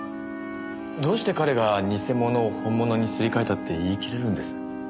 どうして彼が偽物を本物にすり替えたって言い切れるんです？